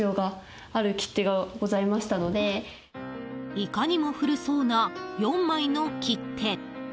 いかにも古そうな４枚の切手。